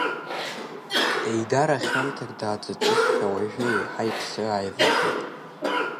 Еидара хьамҭак дааҵыҵызшәа, уажәы еиҳа иԥсы ааивигеит.